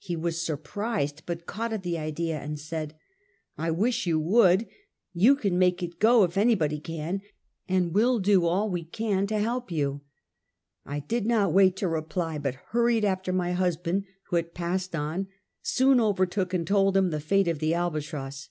He was surprised, but caught at the idea, and said: " I wish you would. You can make it go if any body can, and we'll do all we can to help you." I did not wait to reply, but hurried after my hus band, who had passed on, soon overtook and told him the fate of the Albatross.